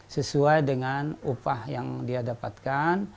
sesuai dengan upah yang dia dapatkan